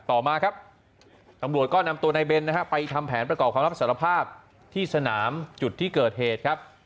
ต่อมาครับตำรวจก็นำตัวนายเบนนะฮะไปทำแผนประกอบคำรับสารภาพที่สนามจุดที่เกิดเหตุครับ